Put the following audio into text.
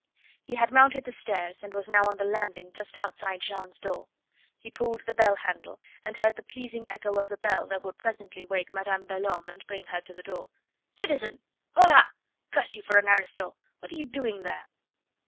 He had mounted the stairs, and was now on the landing just outside Jeanne's door. He pulled the bell handle, and heard the pleasing echo of the bell that would presently wake Madame Belhomme and bring her to the door. "Citizen! Hola! Curse you for an aristo! What are you doing there?"